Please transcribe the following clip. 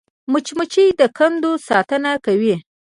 مچمچۍ د کندو ساتنه کوي